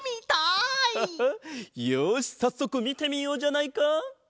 よしさっそくみてみようじゃないか！